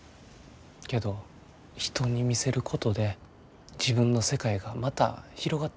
けど人に見せることで自分の世界がまた広がってくんですよね。